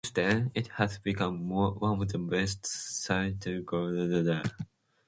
Since then, it has become one of the best-studied globular clusters.